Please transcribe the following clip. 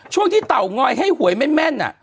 ช่วงที่เตางอยให้หวยแม่น